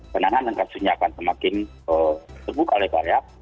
penanganan kasusnya akan semakin terbuka ya pak